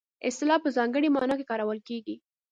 اصطلاح په ځانګړې مانا کې کارول کیږي